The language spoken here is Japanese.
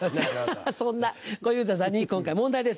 そんな小遊三さんに今回問題です。